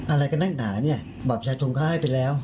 อะไรกันแน่นหนาเนี่ยบัตรประชาชนเขาให้ไปแล้ว